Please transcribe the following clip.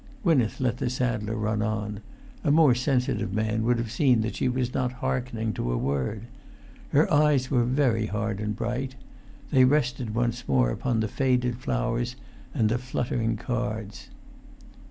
Gwynneth let the saddler run on; a more sensitive man would have seen that she was not hearkening to a word. Her eyes were very hard and bright; they rested once more upon the faded flowers and the fluttering cards.